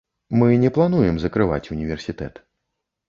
Мы не плануем закрываць універсітэт.